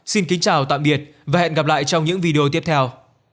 xin kính chào tạm biệt và hẹn gặp lại trong những video tiếp theo